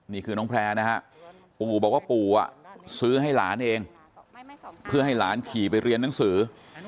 นี่คือน้องแพร่นะฮะปู่บอกว่าปู่ซื้อให้หลานเองเพื่อให้หลานขี่ไปเรียนหนังสือ